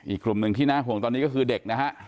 อีกกลุ่มหนึ่งที่น่าห่วงตอนนี้ก็คือเด็กนะฮะ